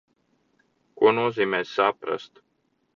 Ko nozīmē saprast?